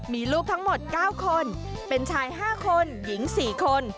มีลูกทั้งหมด๙คนเป็นชาย๕คนหญิง๔คน